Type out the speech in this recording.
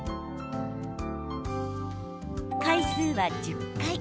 回数は１０回。